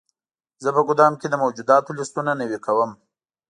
زه په ګدام کې د موجوداتو لیستونه نوي کوم.